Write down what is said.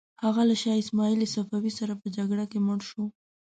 هغه له شاه اسماعیل صفوي سره په جنګ کې مړ شو.